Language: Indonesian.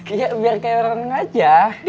iya biar kayak renang aja